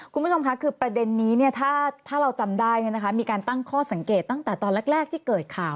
คุณผู้ชมค่ะคือประเด็นนี้ถ้าเราจำได้มีการตั้งข้อสังเกตตั้งแต่ตอนแรกที่เกิดข่าว